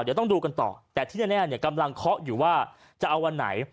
เดี๋ยวต้องดูกันต่อแต่ที่แน่เนี่ยกำลังเคาะอยู่ว่าจะเอาวันไหน